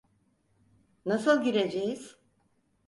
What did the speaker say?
Nasıl gireceğiz?